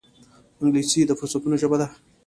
انګلیسي د فرصتونو ژبه ده